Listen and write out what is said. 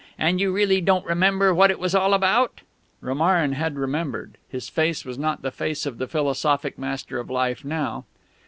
And you really don't remember what it was all about?..." Romarin had remembered. His face was not the face of the philosophic master of Life now.